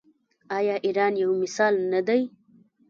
آیا ایران یو مثال نه دی؟